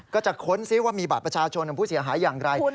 ก็จะค้นซิว่ามีบัตรประชาชนของผู้เสียหายอย่างไร